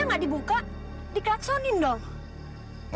mas dengan berliat